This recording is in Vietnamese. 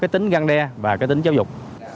tính găng đe và tính giáo dục